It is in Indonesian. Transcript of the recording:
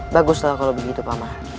baguslah kalau begitu paman